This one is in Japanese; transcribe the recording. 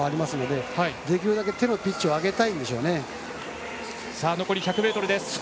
手のピッチを上げたいんでしょうね。